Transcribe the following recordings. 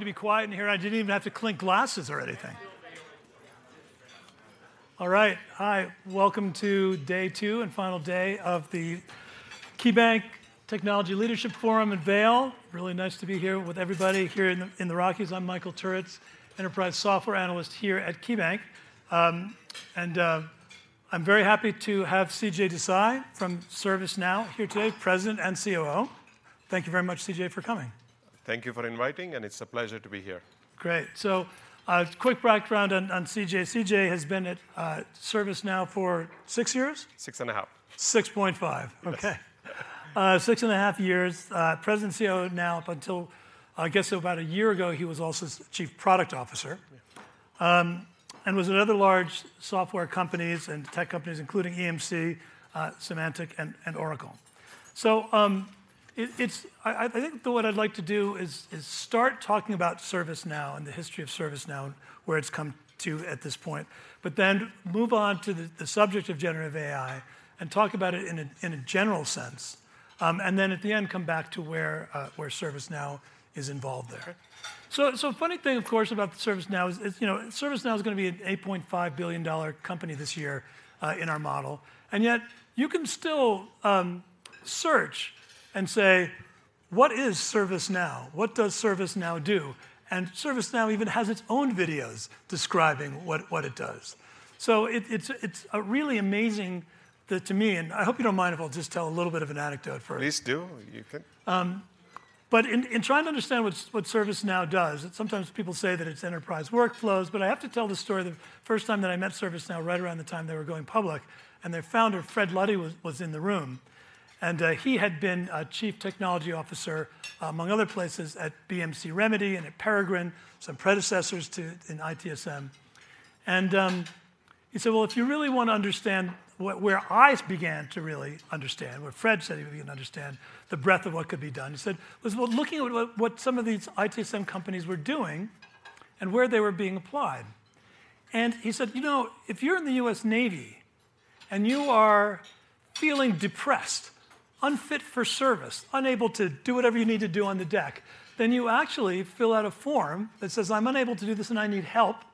to be quiet in here. I didn't even have to clink glasses or anything. All right. Hi, welcome to day two and final day of the KeyBanc Technology Leadership Forum at Vail. Really nice to be here with everybody here in the, in the Rockies. I'm Michael Turits, enterprise software analyst here at KeyBanc. And I'm very happy to have CJ Desai from ServiceNow here today, President and COO. Thank you very much, CJ, for coming. Thank you for inviting, and it's a pleasure to be here. Great. a quick background on CJ. CJ has been at ServiceNow for six years? 6.5. 6.5. Yes. Okay. 6.5 years, President and COO now, up until, I guess, about 1 year ago, he was also Chief Product Officer. Yeah. Was at other large software companies and tech companies, including EMC, Symantec, and Oracle. I think that what I'd like to do is start talking about ServiceNow and the history of ServiceNow, and where it's come to at this point, but then move on to the subject of Generative AI and talk about it in a general sense. Then at the end, come back to where ServiceNow is involved there. Okay. So funny thing, of course, about ServiceNow is, is, you know, ServiceNow is gonna be an $8.5 billion company this year, in our model, and yet you can still, search and say: What is ServiceNow? What does ServiceNow do? ServiceNow even has its own videos describing what, what it does. It, it's a, it's a really amazing... that to me, and I hope you don't mind if I'll just tell a little bit of an anecdote first. Please do. You can. In, in trying to understand what ServiceNow does, sometimes people say that it's enterprise workflows. I have to tell the story of the first time that I met ServiceNow right around the time they were going public. Their founder, Fred Luddy, was in the room. He had been a chief technology officer, among other places, at BMC Remedy and at Peregrine, some predecessors to, in ITSM. He said, "Well, if you really want to understand..." Where I began to really understand, where Fred said he began to understand the breadth of what could be done, he said, "was while looking at what, what some of these ITSM companies were doing and where they were being applied." He said, "You know, if you're in the US Navy and you are feeling depressed, unfit for service, unable to do whatever you need to do on the deck, then you actually fill out a form that says, 'I'm unable to do this, and I need help,'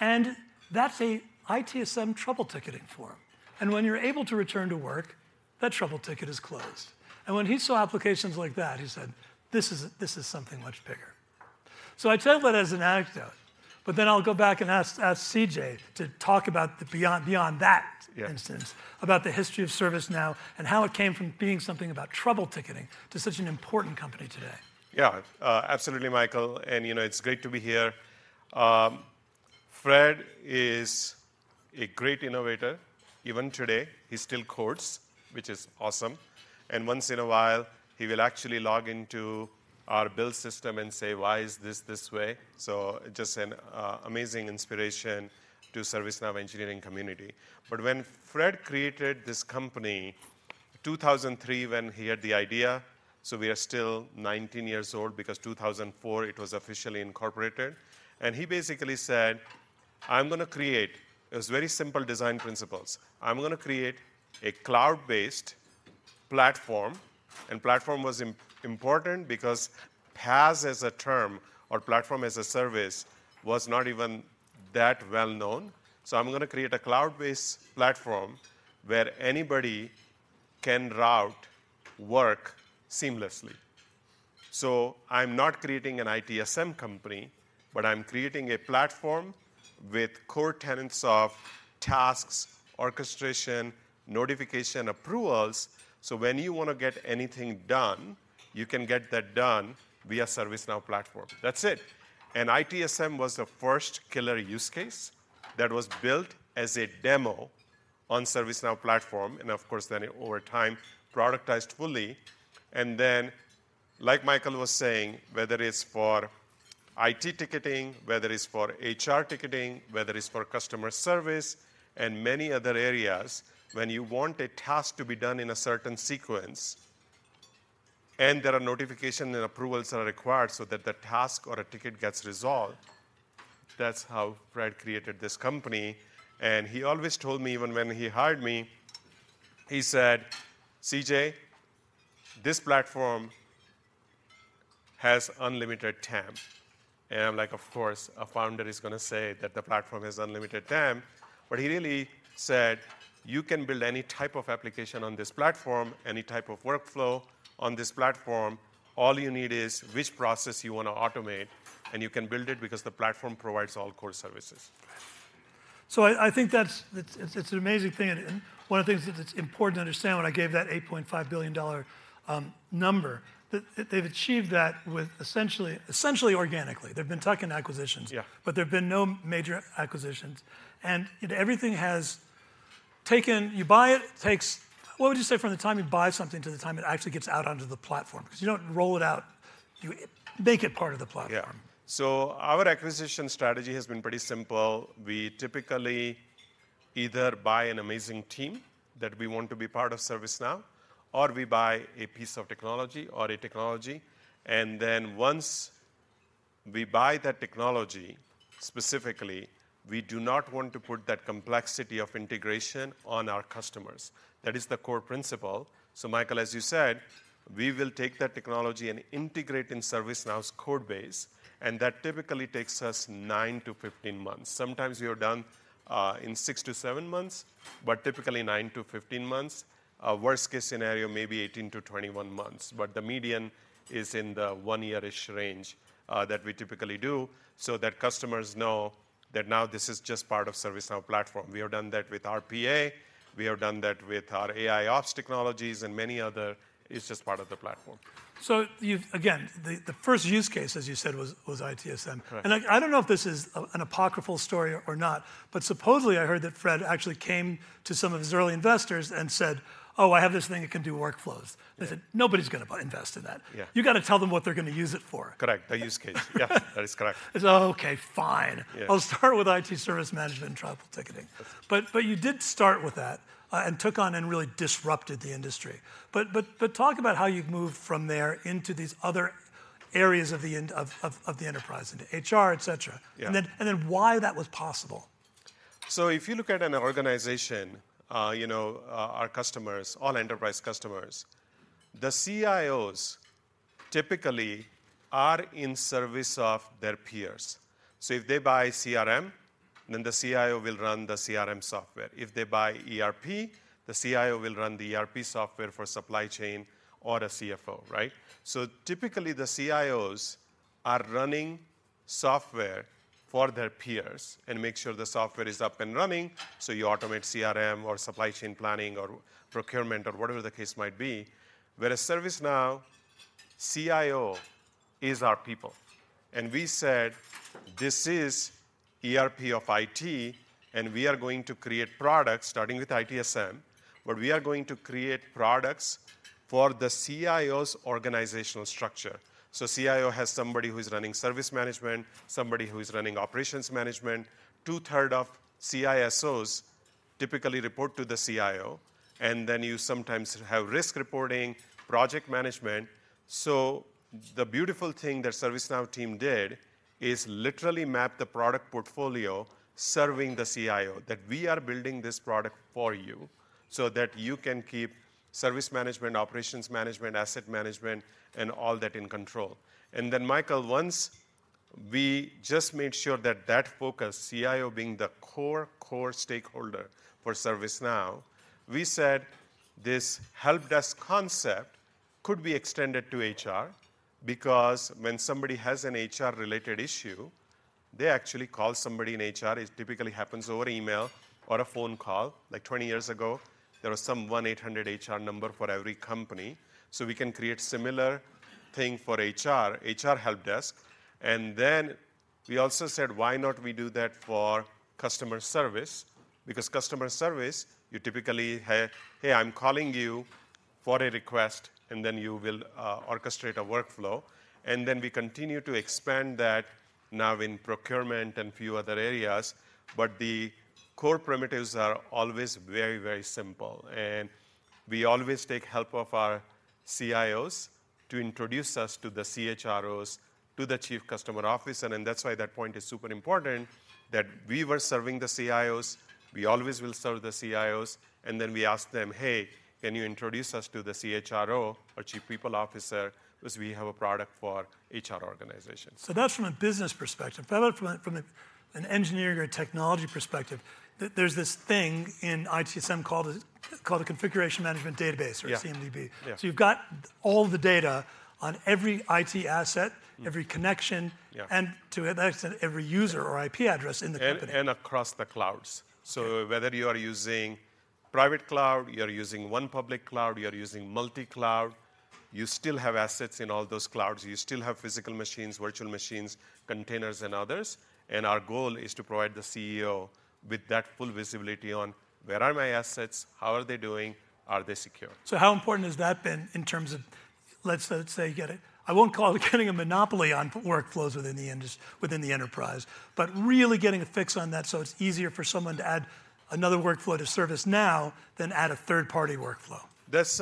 and that's a ITSM trouble ticketing form. When you're able to return to work, that trouble ticket is closed." When he saw applications like that, he said, "This is, this is something much bigger." I tell that as an anecdote, but then I'll go back and ask CJ to talk about the beyond that. Yeah... instance, about the history of ServiceNow and how it came from being something about trouble ticketing to such an important company today. Yeah, absolutely, Michael, you know, it's great to be here. Fred is a great innovator. Even today, he still codes, which is awesome, and once in a while, he will actually log into our build system and say: "Why is this this way?" Just amazing inspiration to ServiceNow engineering community. When Fred created this company, 2003, when he had the idea, we are still 19 years old because 2004, it was officially incorporated. He basically said: "I'm gonna create..." It was very simple design principles. "I'm gonna create a cloud-based platform," and platform was important because PaaS as a term or Platform as a Service was not even that well known. "I'm gonna create a cloud-based platform where anybody can route work seamlessly. I'm not creating an ITSM company, but I'm creating a platform with core tenets of tasks, orchestration, notification, approvals, so when you want to get anything done, you can get that done via ServiceNow platform. That's it. ITSM was the first killer use case that was built as a demo on ServiceNow platform and, of course, then over time, productized fully. Then, like Michael was saying, whether it's for IT ticketing, whether it's for HR ticketing, whether it's for customer service and many other areas, when you want a task to be done in a certain sequence, and there are notification and approvals that are required so that the task or a ticket gets resolved, that's how Fred created this company. He always told me, even when he hired me, he said, "CJ, this platform has unlimited TAM." I'm like, "Of course, a founder is gonna say that the platform has unlimited TAM." He really said, "You can build any type of application on this platform, any type of workflow on this platform. All you need is which process you want to automate, and you can build it because the platform provides all core services. I, think that's, it's, it's an amazing thing, and one of the things that it's important to understand when I gave that $8.5 billion number, that they've achieved that with essentially, essentially organically. They've been tucking acquisitions. Yeah... but there have been no major acquisitions, and everything has taken-- You buy it, it takes... What would you say from the time you buy something to the time it actually gets out onto the platform? 'Cause you don't roll it out, you make it part of the platform. Yeah. Our acquisition strategy has been pretty simple. We typically either buy an amazing team that we want to be part of ServiceNow, or we buy a piece of technology or a technology, and then once we buy that technology-... specifically, we do not want to put that complexity of integration on our customers. That is the core principle. Michael, as you said, we will take that technology and integrate in ServiceNow's code base, and that typically takes us 9 to 15 months. Sometimes we are done in 6 to 7 months, but typically 9 to 15 months. Our worst-case scenario may be 18 to 21 months, but the median is in the 1-year-ish range that we typically do, so that customers know that now this is just part of ServiceNow platform. We have done that with RPA, we have done that with our AIOps technologies, and many other... It's just part of the platform. You've again, the first use case, as you said, was ITSM. Correct. I, I don't know if this is a, an apocryphal story or not, but supposedly I heard that Fred actually came to some of his early investors and said, "Oh, I have this thing, it can do workflows. Yeah. They said, "Nobody's going to invest in that. Yeah. You got to tell them what they're going to use it for. Correct, the use case. Yeah, that is correct. He said, "Okay, fine. Yeah. I'll start with IT service management and travel ticketing. That's right. You did start with that and took on and really disrupted the industry. Talk about how you've moved from there into these other areas of the enterprise, into HR, et cetera. Yeah. and then why that was possible. If you look at an organization, you know, our customers, all enterprise customers, the CIOs typically are in service of their peers. If they buy CRM, then the CIO will run the CRM software. If they buy ERP, the CIO will run the ERP software for supply chain or a CFO, right? Typically, the CIOs are running software for their peers and make sure the software is up and running, so you automate CRM, or supply chain planning, or procurement, or whatever the case might be. Where a ServiceNow CIO is our people. We said: This is ERP of IT, and we are going to create products, starting with ITSM, but we are going to create products for the CIO's organizational structure. CIO has somebody who is running service management, somebody who is running operations management. Two-thirds of CISOs typically report to the CIO, then you sometimes have risk reporting, project management. The beautiful thing the ServiceNow team did is literally map the product portfolio serving the CIO, that we are building this product for you so that you can keep service management, operations management, asset management, and all that in control. Then, Michael, once we just made sure that that focus, CIO being the core, core stakeholder for ServiceNow, we said this helpdesk concept could be extended to HR, because when somebody has an HR-related issue, they actually call somebody in HR. It typically happens over email or a phone call. Like 20 years ago, there was some 1-800 HR number for every company. We can create similar thing for HR, HR helpdesk. Then we also said, "Why not we do that for customer service?" Because customer service, you typically, "Hey, hey, I'm calling you for a request," then you will orchestrate a workflow. Then we continue to expand that now in procurement and few other areas. The core primitives are always very, very simple. We always take help of our CIOs to introduce us to the CHROs, to the chief customer officer, that's why that point is super important, that we were serving the CIOs, we always will serve the CIOs, then we ask them, "Hey, can you introduce us to the CHRO or chief people officer, because we have a product for HR organizations. That's from a business perspective. How about from an engineering or technology perspective? There's this thing in ITSM called a configuration management database. Yeah or CMDB. Yeah. You've got all the data on every IT asset every connection and to an extent, every user or IP address in the company. across the clouds. Yeah. Whether you are using private cloud, you are using one public cloud, you are using multi cloud, you still have assets in all those clouds. You still have physical machines, virtual machines, containers, and others, and our goal is to provide the CEO with that full visibility on: Where are my assets? How are they doing? Are they secure? How important has that been in terms of, let's say you get a... I won't call it getting a monopoly on workflows within the enterprise, but really getting a fix on that so it's easier for someone to add another workflow to ServiceNow than add a third-party workflow. That's.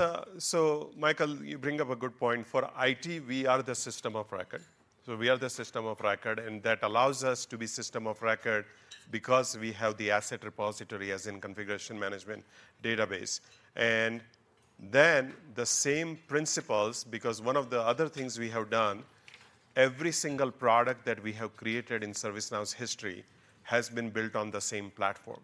Michael, you bring up a good point. For IT, we are the system of record. We are the system of record, and that allows us to be system of record because we have the asset repository, as in configuration management database. Then the same principles, because one of the other things we have done, every single product that we have created in ServiceNow's history has been built on the same platform.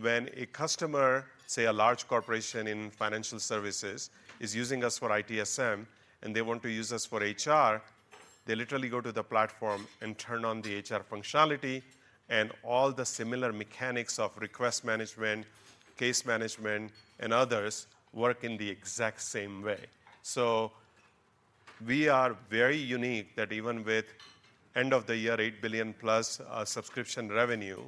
When a customer, say, a large corporation in financial services, is using us for ITSM and they want to use us for HR, they literally go to the platform and turn on the HR functionality, and all the similar mechanics of request management, case management, and others work in the exact same way. We are very unique that even with end of the year, $8 billion+ subscription revenue,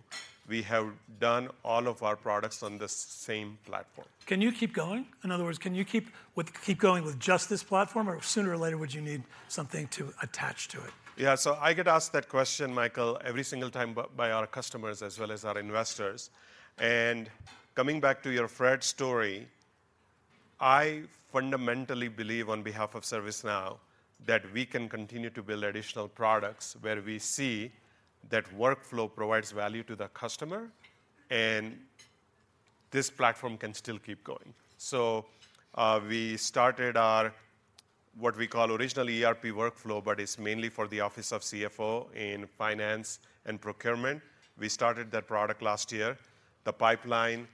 we have done all of our products on the same platform. Can you keep going? In other words, can you keep going with just this platform, or sooner or later, would you need something to attach to it? Yeah, I get asked that question, Michael, every single time by our customers as well as our investors. Coming back to your Fred story, I fundamentally believe on behalf of ServiceNow, that we can continue to build additional products where we see that workflow provides value to the customer, and this platform can still keep going. We started our, what we call originally ERP workflow, but it's mainly for the office of CFO in finance and procurement. We started that product last year. The pipeline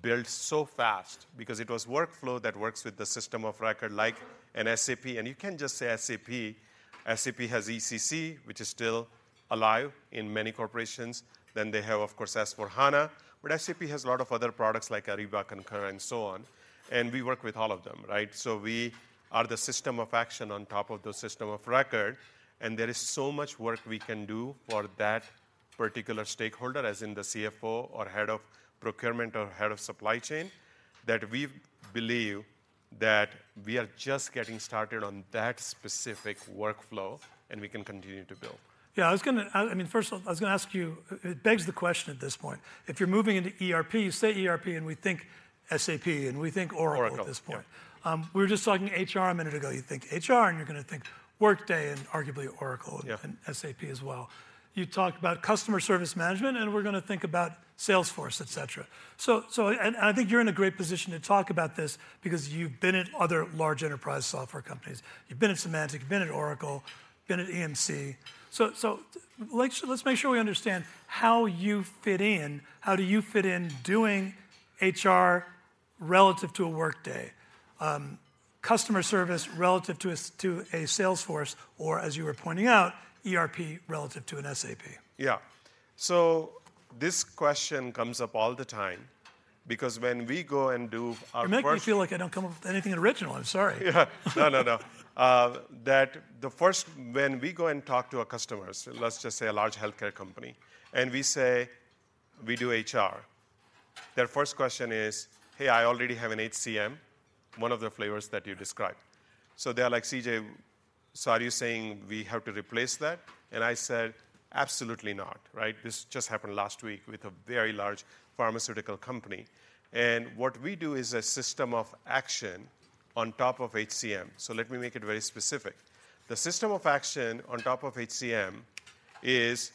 built so fast because it was workflow that works with the system of record like an SAP, and you can just say SAP. SAP has ECC, which is still alive in many corporations. They have, of course, S/4HANA, but SAP has a lot of other products like Ariba, Concur, and so on, and we work with all of them, right? So we are the system of action on top of the system of record, and there is so much work we can do for that particular stakeholder, as in the CFO or Head of Procurement or Head of Supply Chain, that we believe that we are just getting started on that specific workflow, and we can continue to build. Yeah, I mean, first of all, I was gonna ask you, it begs the question at this point, if you're moving into ERP, you say ERP, and we think SAP, and we think Oracle. Oracle. -at this point. we were just talking HR a minute ago. You think HR, and you're gonna think Workday and arguably Oracle- Yeah... SAP as well. You talked about customer service management, we're gonna think about Salesforce, et cetera. I think you're in a great position to talk about this because you've been at other large enterprise software companies. You've been at Symantec, you've been at Oracle, you've been at EMC. Let's make sure we understand how you fit in. How do you fit in doing HR relative to a Workday, customer service relative to a Salesforce, or as you were pointing out, ERP relative to an SAP? Yeah. This question comes up all the time because when we go and do our work- You make me feel like I don't come up with anything original. I'm sorry. Yeah. No, no, no. When we go and talk to our customers, let's just say a large healthcare company, and we say, "We do HR," their first question is: "Hey, I already have an HCM, one of the flavors that you described." They are like: "CJ, so are you saying we have to replace that?" I said, "Absolutely not," right? This just happened last week with a very large pharmaceutical company. What we do is a system of action on top of HCM. Let me make it very specific. The system of action on top of HCM is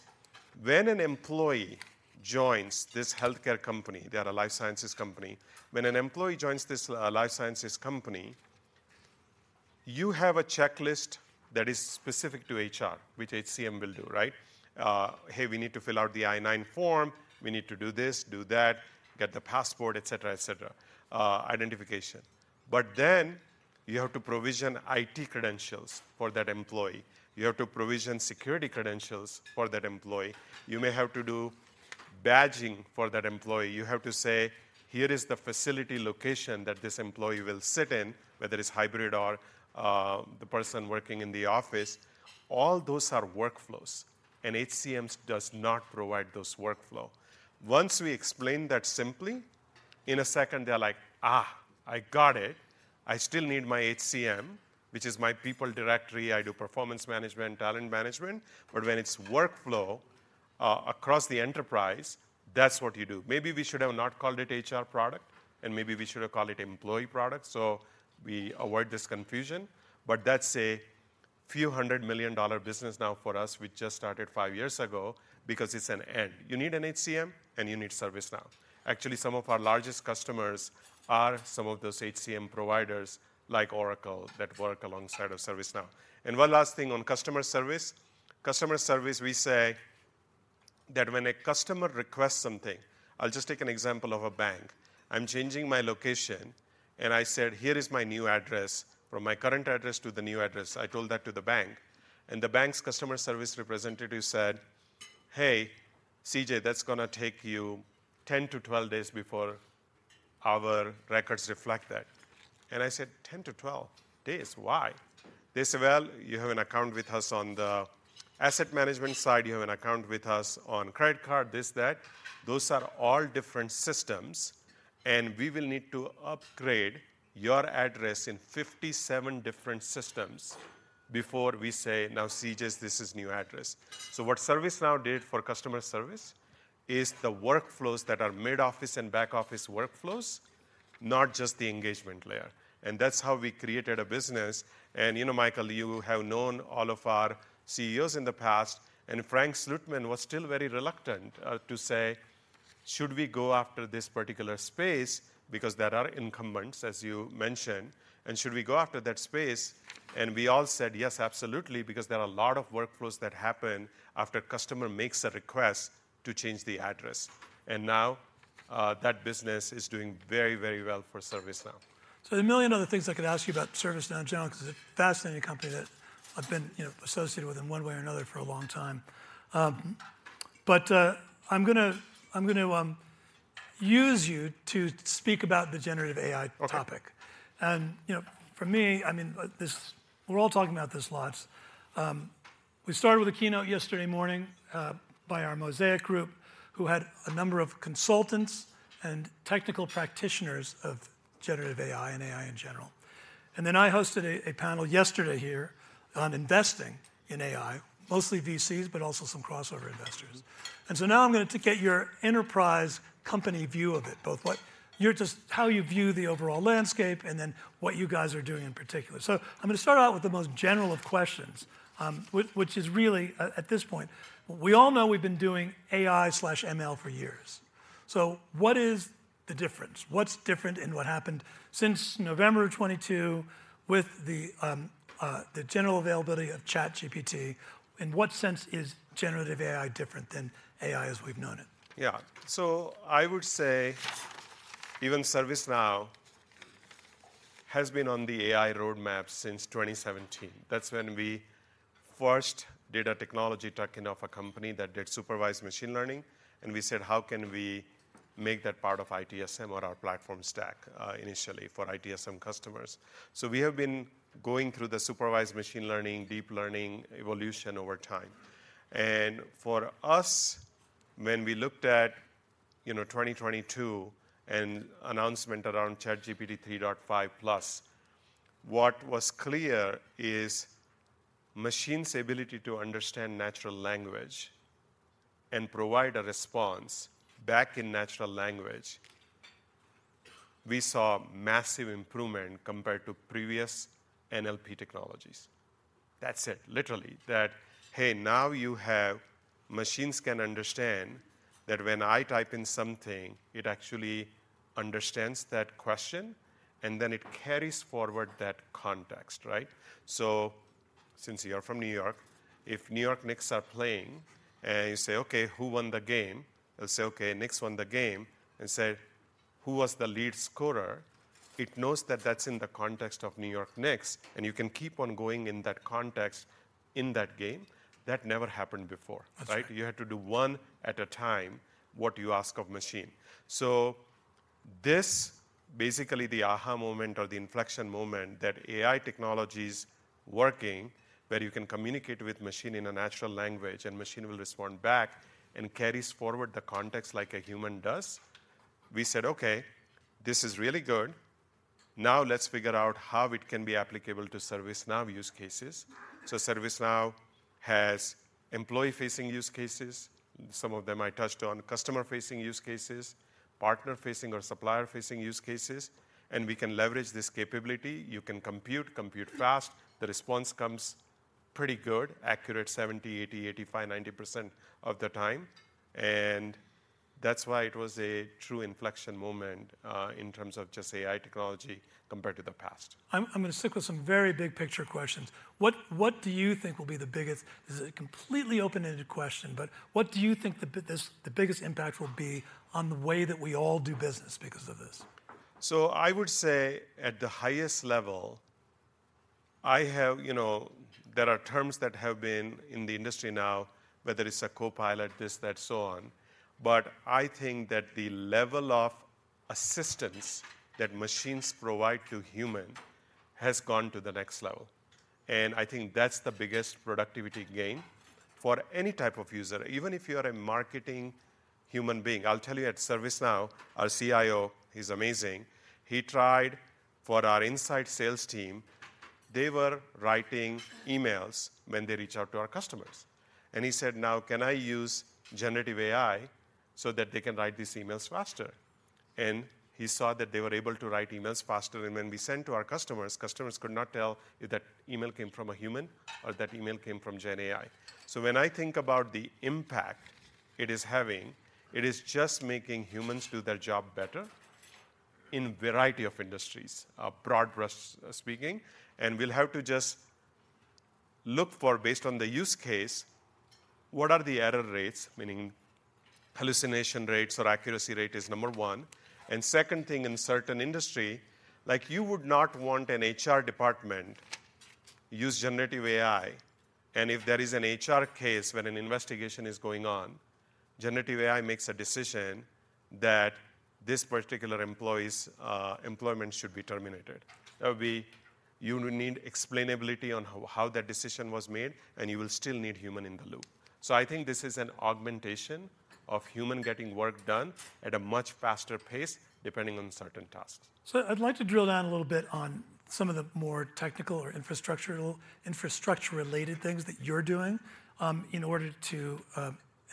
when an employee joins this healthcare company, they are a life sciences company. When an employee joins this life sciences company, you have a checklist that is specific to HR, which HCM will do, right? Hey, we need to fill out the I-9 form. We need to do this, do that, get the passport," et cetera, et cetera, identification. Then you have to provision IT credentials for that employee. You have to provision security credentials for that employee. You may have to do badging for that employee. You have to say, "Here is the facility location that this employee will sit in," whether it's hybrid or the person working in the office. All those are workflows, and HCM does not provide those workflow. Once we explain that simply, in a second, they're like, "Ah, I got it. I still need my HCM, which is my people directory. I do performance management, talent management." When it's workflow across the enterprise, that's what you do. Maybe we should have not called it HR product, and maybe we should have called it employee product, so we avoid this confusion. That's a few hundred million dollar business now for us, we just started 5 years ago, because it's an and. You need an HCM, and you need ServiceNow. Actually, some of our largest customers are some of those HCM providers, like Oracle, that work alongside of ServiceNow. One last thing on customer service. Customer service, we say that when a customer requests something. I'll just take an example of a bank. I'm changing my location, and I said, "Here is my new address, from my current address to the new address." I told that to the bank, and the bank's customer service representative said, "Hey, CJ, that's gonna take you 10 to 12 days before our records reflect that." I said, "10 to 12 days, why?" They say, "Well, you have an account with us on the asset management side, you have an account with us on credit card," this, that. "Those are all different systems, and we will need to upgrade your address in 57 different systems before we say, 'Now, CJ, this is new address.'" What ServiceNow did for customer service is the workflows that are mid-office and back-office workflows, not just the engagement layer, and that's how we created a business. You know, Michael, you have known all of our CEOs in the past, and Frank Slootman was still very reluctant to say, "Should we go after this particular space?" Because there are incumbents, as you mentioned, "And should we go after that space?" We all said, "Yes, absolutely," because there are a lot of workflows that happen after a customer makes a request to change the address. Now, that business is doing very, very well for ServiceNow. There are 1 million other things I could ask you about ServiceNow in general, because it's a fascinating company that I've been, you know, associated with in one way or another for a long time. I'm gonna use you to speak about the generative AI topic. Okay. You know, for me, I mean, We're all talking about this lots. We started with a keynote yesterday morning by our Mosaic group, who had a number of consultants and technical practitioners of generative AI and AI in general. Then I hosted a panel yesterday here on investing in AI, mostly VCs, but also some crossover investors. So now I'm going to get your enterprise company view of it, both how you view the overall landscape, and then what you guys are doing in particular. I'm gonna start out with the most general of questions, which is really, at this point, we all know we've been doing AI/ML for years. What is the difference? What's different in what happened since November of 2022 with the general availability of ChatGPT? In what sense is Generative AI different than AI as we've known it? Yeah. I would say, even ServiceNow has been on the AI roadmap since 2017. That's when we first did a technology tuck-in of a company that did supervised machine learning, and we said: How can we make that part of ITSM on our platform stack, initially for ITSM customers? We have been going through the supervised machine learning, deep learning evolution over time. For us, when we looked at, you know, 2022 and announcement around ChatGPT 3.5 Plus, what was clear is machine's ability to understand natural language and provide a response back in natural language. We saw massive improvement compared to previous NLP technologies. That's it, literally. Machines can understand that when I type in something, it actually understands that question, and then it carries forward that context, right? Since you are from New York, if New York Knicks are playing, and you say, "Okay, who won the game?" It'll say, "Okay, Knicks won the game," and say, "Who was the lead scorer?" It knows that that's in the context of New York Knicks, and you can keep on going in that context, in that game. That never happened before, right? That's right. You had to do one at a time what you ask of machine. This, basically, the aha moment or the inflection moment, that AI technology's working, where you can communicate with machine in a natural language, and machine will respond back and carries forward the context like a human does. We said, "Okay, this is really good. Now let's figure out how it can be applicable to ServiceNow use cases." ServiceNow has employee-facing use cases, some of them I touched on, customer-facing use cases, partner-facing or supplier-facing use cases, and we can leverage this capability. You can compute, compute fast. The response comes pretty good, accurate 70%, 80%, 85%, 90% of the time, and that's why it was a true inflection moment, in terms of just AI technology compared to the past. I'm gonna stick with some very big picture questions. What do you think will be the biggest this is a completely open-ended question, but what do you think this, the biggest impact will be on the way that we all do business because of this? I would say, at the highest level, You know, there are terms that have been in the industry now, whether it's a copilot, this, that, so on, but I think that the level of assistance that machines provide to human has gone to the next level, and I think that's the biggest productivity gain for any type of user, even if you are a marketing human being. I'll tell you, at ServiceNow, our CIO, he's amazing, he tried for our inside sales team, they were writing emails when they reach out to our customers. He said, "Now, can I use generative AI so that they can write these emails faster?" He saw that they were able to write emails faster, and when we sent to our customers, customers could not tell if that email came from a human or that email came from gen AI. When I think about the impact it is having, it is just making humans do their job better in a variety of industries, broad brush speaking. We'll have to just look for, based on the use case, what are the error rates, meaning hallucination rates or accuracy rate is number 1. Second thing, in certain industry, like, you would not want an HR department use generative AI, and if there is an HR case when an investigation is going on, generative AI makes a decision that this particular employee's employment should be terminated. There will be. You will need explainability on how that decision was made, and you will still need human in the loop. I think this is an augmentation of human getting work done at a much faster pace, depending on certain tasks. I'd like to drill down a little bit on some of the more technical or infrastructural, infrastructure-related things that you're doing, in order to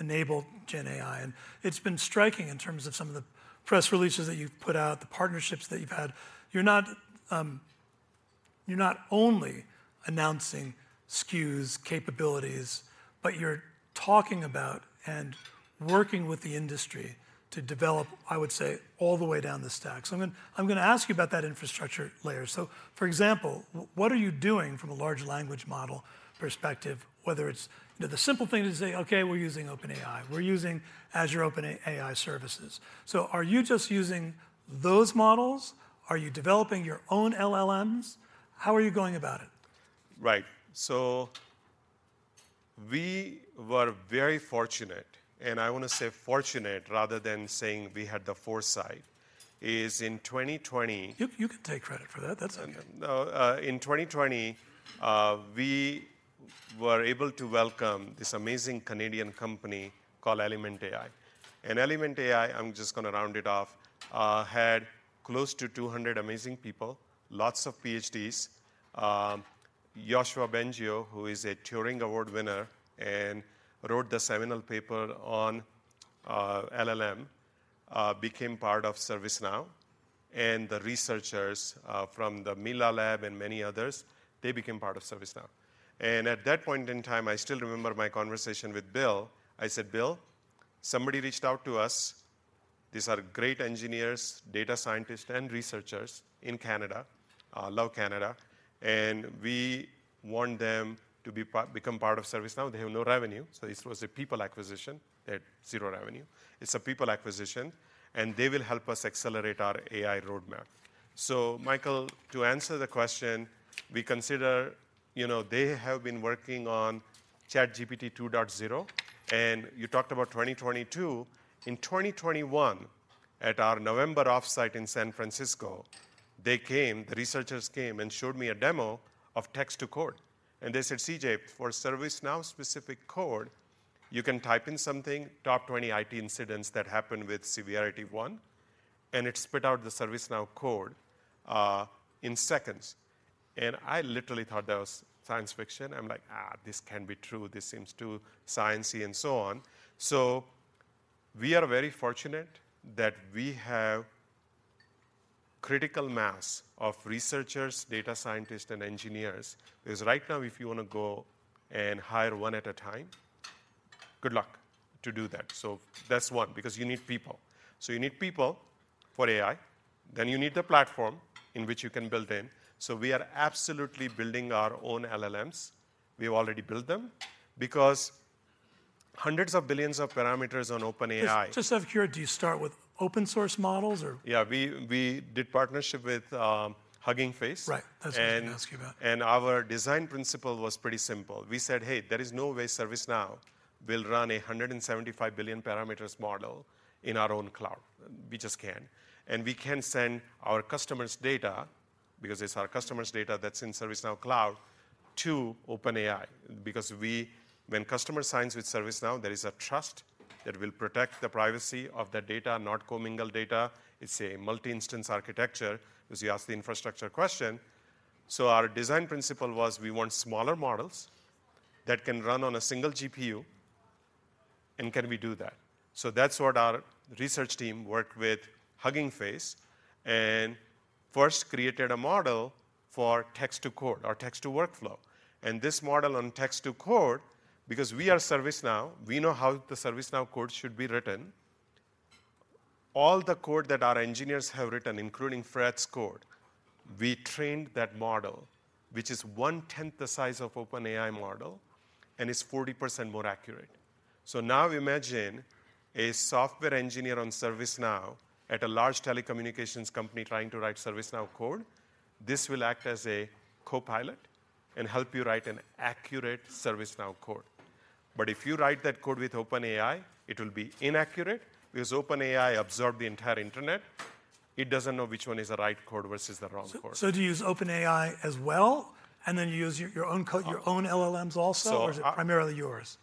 enable gen AI. It's been striking in terms of some of the press releases that you've put out, the partnerships that you've had. You're not, you're not only announcing SKUs, capabilities, but you're talking about and working with the industry to develop, I would say, all the way down the stack. I'm gonna, I'm gonna ask you about that infrastructure layer. For example, w- what are you doing from a large language model perspective, whether it's, you know, the simple thing to say, "Okay, we're using OpenAI. We're using Azure OpenAI services"? Are you just using those models? Are you developing your own LLMs? How are you going about it? Right. We were very fortunate, and I want to say fortunate rather than saying we had the foresight, is in 2020- You, you can take credit for that. That's okay. In 2020, we were able to welcome this amazing Canadian company called Element AI. Element AI, I'm just gonna round it off, had close to 200 amazing people, lots of PhDs. Yoshua Bengio, who is a Turing Award winner and wrote the seminal paper on LLM, became part of ServiceNow. The researchers from the Mila Lab and many others, they became part of ServiceNow. At that point in time, I still remember my conversation with Bill. I said, "Bill, somebody reached out to us. These are great engineers, data scientists, and researchers in Canada." Love Canada. "We want them to become part of ServiceNow. They have no revenue," so this was a people acquisition at 0 revenue. It's a people acquisition, and they will help us accelerate our AI roadmap. Michael, to answer the question, we consider, you know, they have been working on ChatGPT 2.0, and you talked about 2022. In 2021, at our November offsite in San Francisco, they came, the researchers came and showed me a demo of text-to-code. They said, "CJ, for ServiceNow-specific code, you can type in something, top 20 IT incidents that happened with severity 1," and it spit out the ServiceNow code in seconds. I literally thought that was science fiction. I'm like, "Ah, this can't be true. This seems too science-y," and so on. We are very fortunate that we have critical mass of researchers, data scientists, and engineers. Because right now, if you wanna go and hire 1 at a time, good luck to do that. That's 1, because you need people. You need people for AI, then you need the platform in which you can build in. We are absolutely building our own LLMs. We have already built them, because hundreds of billions of parameters on OpenAI. Just out of curiosity, do you start with open-source models, or? Yeah, we, we did partnership with Hugging Face. Right, that's what I was gonna ask you about. Our design principle was pretty simple. We said, "Hey, there is no way ServiceNow will run a 175 billion parameters model in our own cloud." We just can't. We can't send our customers' data, because it's our customers' data that's in ServiceNow Cloud, to OpenAI. Because when customer signs with ServiceNow, there is a trust that will protect the privacy of that data, not commingle data. It's a multi-instance architecture, because you asked the infrastructure question. Our design principle was, we want smaller models that can run on a single GPU, and can we do that? That's what our research team worked with Hugging Face, and first created a model for text-to-code or text-to-workflow. This model on text-to-code, because we are ServiceNow, we know how the ServiceNow code should be written. All the code that our engineers have written, including Fred's code, we trained that model, which is 1/10 the size of OpenAI model and is 40% more accurate. Now imagine a software engineer on ServiceNow at a large telecommunications company trying to write ServiceNow code. This will act as a copilot and help you write an accurate ServiceNow code. If you write that code with OpenAI, it will be inaccurate, because OpenAI absorbed the entire internet. It doesn't know which one is the right code versus the wrong code. so do you use OpenAI as well, and then you use your, your own LLMs also? or is it primarily yours?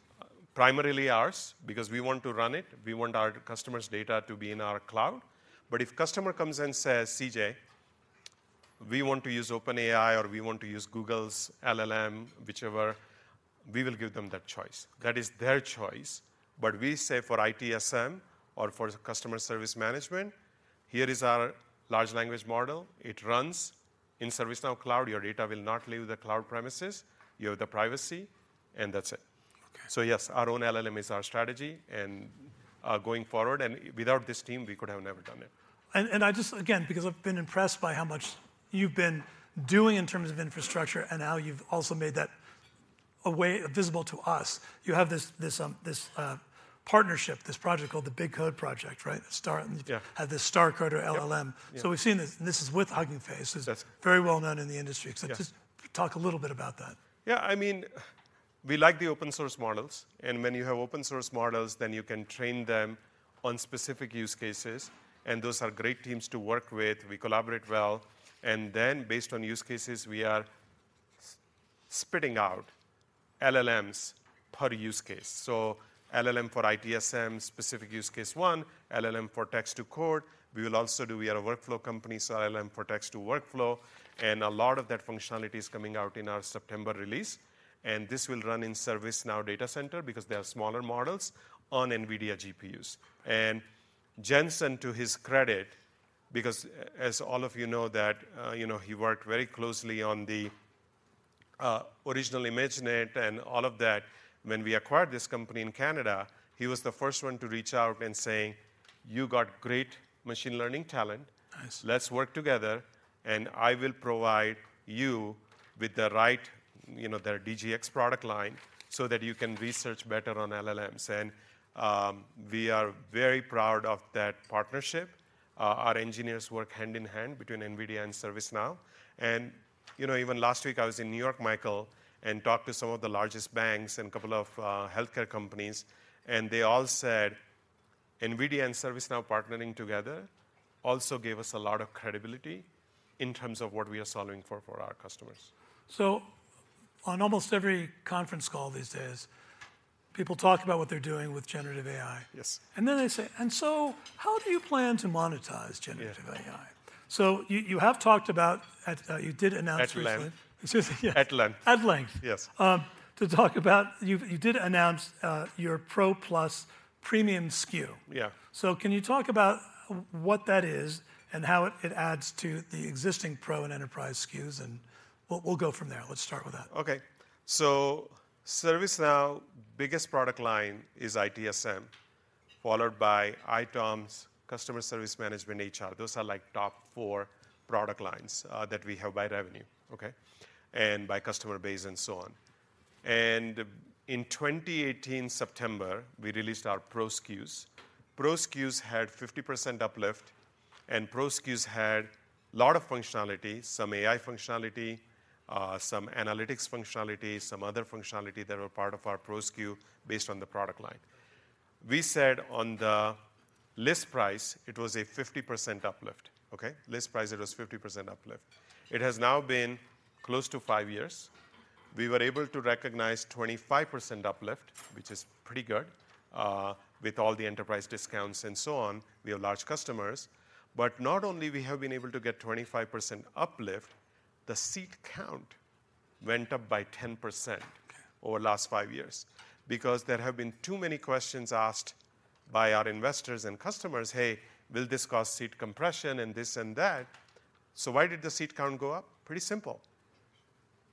Primarily ours, because we want to run it. We want our customers' data to be in our cloud. If customer comes and says, "CJ, we want to use OpenAI, or we want to use Google's LLM," whichever, we will give them that choice. That is their choice. We say for ITSM or for customer service management, here is our large language model. It runs in ServiceNow Cloud. Your data will not leave the cloud premises. You have the privacy, and that's it. Okay. Yes, our own LLM is our strategy, and going forward, and without this team, we could have never done it. I just. Again, because I've been impressed by how much you've been doing in terms of infrastructure and how you've also made that a way visible to us. You have this, this, this partnership, this project called the BigCode project, right? Yeah. Have this StarCoder LLM. Yeah. We've seen this, and this is with Hugging Face... That's it.... very well known in the industry. Yeah. Just talk a little bit about that. Yeah, I mean, we like the open-source models, and when you have open-source models, then you can train them on specific use cases, and those are great teams to work with. We collaborate well, and then based on use cases, we are spitting out LLMs per use case. LLM for ITSM, specific use case one, LLM for text-to-code. We will also do... We are a workflow company, so LLM for text-to-workflow, and a lot of that functionality is coming out in our September release, and this will run in ServiceNow data center because they are smaller models on NVIDIA GPUs. Jensen, to his credit, because as all of you know, that, you know, he worked very closely on the original ImageNet and all of that. When we acquired this company in Canada, he was the first one to reach out and say, "You got great machine learning talent. Let's work together, and I will provide you with the right, you know, the DGX product line, so that you can research better on LLMs. We are very proud of that partnership. Our engineers work hand in hand between NVIDIA and ServiceNow. You know, even last week, I was in New York, Michael, and talked to some of the largest banks and a couple of healthcare companies, and they all said. NVIDIA and ServiceNow partnering together also gave us a lot of credibility in terms of what we are solving for, for our customers. On almost every conference call these days, people talk about what they're doing with Generative AI. Yes. They say, "And so, how do you plan to monetize generative AI? Yeah. You, you have talked about, at, you did announce recently. At length. Excuse me. Yeah. At length. At length. Yes. To talk about, you did announce, your Pro Plus premium SKU. Yeah. Can you talk about what that is, and how it adds to the existing Pro and Enterprise SKUs? We'll go from there. Let's start with that. Okay. ServiceNow biggest product line is ITSM, followed by ITOM, customer service management, HR. Those are, like, top 4 product lines that we have by revenue, okay? By customer base, and so on. In 2018, September, we released our Pro SKUs. Pro SKUs had 50% uplift, and Pro SKUs had a lot of functionality, some AI functionality, some analytics functionality, some other functionality that were part of our Pro SKU based on the product line. We said on the list price, it was a 50% uplift, okay? List price, it was 50% uplift. It has now been close to 5 years. We were able to recognize 25% uplift, which is pretty good, with all the enterprise discounts and so on, we have large customers. Not only we have been able to get 25% uplift, the seat count went up by 10% over the last five years. There have been too many questions asked by our investors and customers: "Hey, will this cause seat compression?" and this and that. Why did the seat count go up? Pretty simple.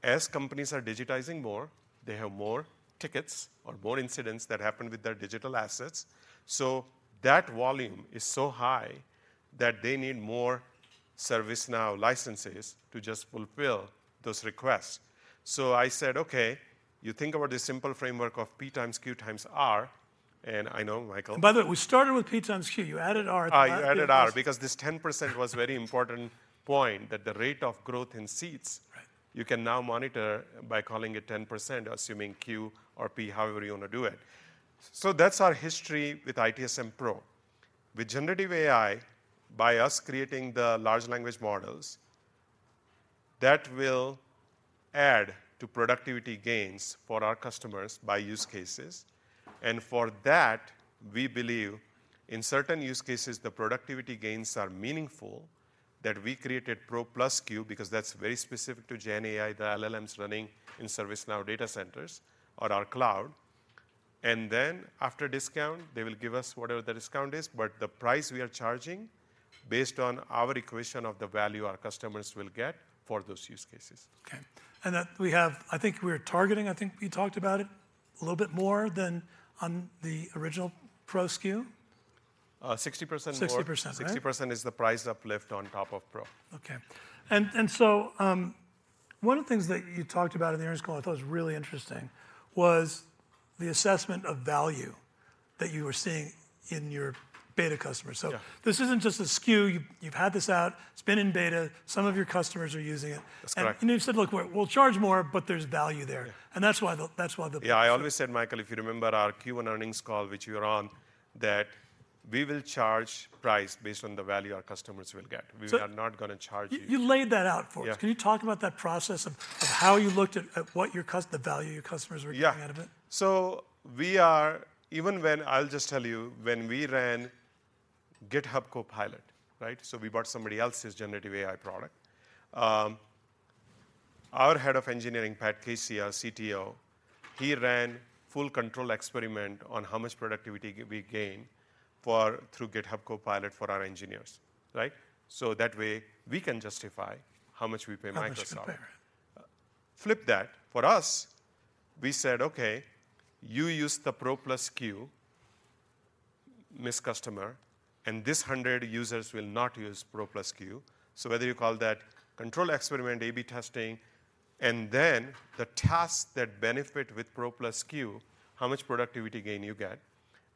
As companies are digitizing more, they have more tickets or more incidents that happen with their digital assets, so that volume is so high that they need more ServiceNow licenses to just fulfil those requests. I said, "Okay, you think about the simple framework of P times Q times R," I know, Michael- By the way, we started with P times Q. You added R at the end. I added R because this 10% was a very important point, that the rate of growth in seats you can now monitor by calling it 10%, assuming Q or P, however you want to do it. That's our history with ITSM Pro. With generative AI, by us creating the large language models, that will add to productivity gains for our customers by use cases. For that, we believe in certain use cases, the productivity gains are meaningful, that we created Pro Plus SKU because that's very specific to gen AI, the LLMs running in ServiceNow data centers or our cloud. Then, after discount, they will give us whatever the discount is, but the price we are charging based on our equation of the value our customers will get for those use cases. Okay. That we have... I think we are targeting, I think we talked about it, a little bit more than on the original Pro SKU? 60% more. 60%, right? 60% is the price uplift on top of Pro. Okay. One of the things that you talked about in the earnings call I thought was really interesting, was the assessment of value that you were seeing in your beta customers. Yeah. This isn't just a SKU. You've had this out, it's been in beta, some of your customers are using it. That's correct. You've said, "Look, we'll charge more, but there's value there. Yeah. That's why the. Yeah, I always said, Michael, if you remember our Q1 earnings call, which you were on, that we will charge price based on the value our customers will get. We are not going to charge- You laid that out for us. Yeah. Can you talk about that process of, of how you looked at, at what your the value your customers were getting out of it? Yeah. When we ran GitHub Copilot, right? We bought somebody else's generative AI product. Our head of engineering, Pat Casey, our CTO, he ran full control experiment on how much productivity we gain through GitHub Copilot for our engineers, right? That way, we can justify how much we pay Microsoft. How much you pay. Flip that. For us, we said, "Okay, you use the Pro Plus SKU, Ms. Customer, and this 100 users will not use Pro Plus SKU." Whether you call that control experiment, A/B testing, and then the tasks that benefit with Pro Plus SKU, how much productivity gain you get,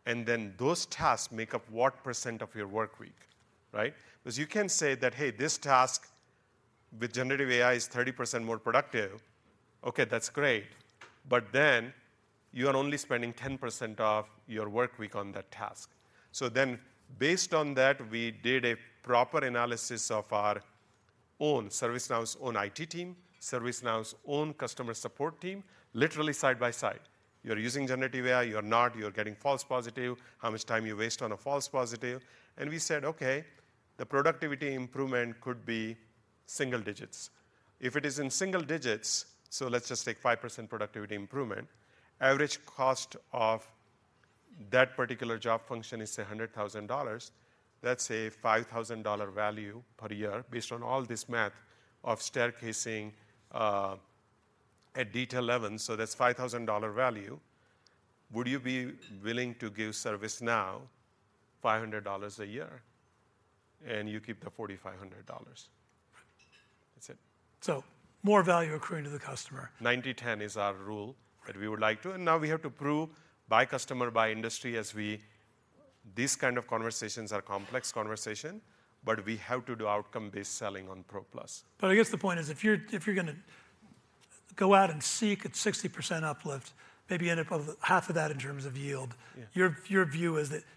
and then those tasks make up what percent of your work week, right? Because you can say that, "Hey, this task with generative AI is 30% more productive." Okay, that's great, but then you are only spending 10% of your work week on that task. Based on that, we did a proper analysis of our own, ServiceNow's own IT team, ServiceNow's own customer support team, literally side by side. You're using generative AI, you're not, you're getting false positive, how much time you waste on a false positive. We said, "Okay, the productivity improvement could be single digits." If it is in single digits, so let's just take 5% productivity improvement, average cost of that particular job function is, say, $100,000. That's a $5,000 value per year based on all this math of staircasing, at detail level, so that's $5,000 value. Would you be willing to give ServiceNow $500 a year, and you keep the $4,500? That's it. More value accruing to the customer. 90/10 is our rule that we would like to. Now we have to prove by customer, by industry, as we... These kind of conversations are complex conversation, but we have to do outcome-based selling on Pro Plus. I guess the point is, if you're, if you're gonna go out and seek a 60% uplift, maybe end up with half of that in terms of yield... Yeah... your, your view is that you've-